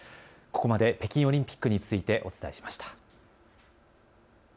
ここまで北京オリンピックについてお伝えしました。